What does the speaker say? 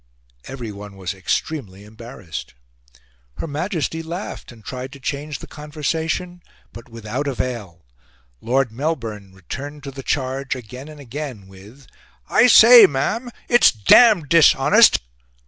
everyone was extremely embarrassed. Her Majesty laughed and tried to change the conversation, but without avail; Lord Melbourne returned to the charge again and again with "I say, Ma'am, it's damned dishonest!"